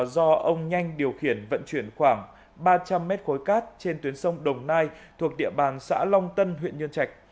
do ông nhanh điều khiển vận chuyển khoảng ba trăm linh mét khối cát trên tuyến sông đồng nai thuộc địa bàn xã long tân huyện nhân trạch